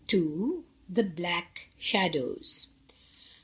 THE BLACK SHADOWS.